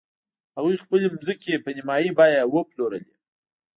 هغوی خپلې ځمکې په نیمايي بیه وپلورلې.